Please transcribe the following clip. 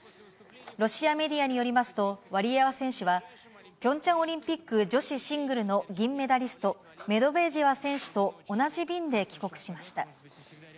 ロシアメディアによりますと、ワリエワ選手は、ピョンチャンオリンピック女子シングルの銀メダリスト、メドベージェワ選手と同じ便で帰国しました。